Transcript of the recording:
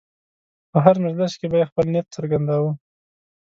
په هر مجلس کې به یې خپل نیت څرګنداوه.